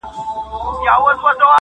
لکه پتڼ درته سوځېږمه بلبل نه یمه -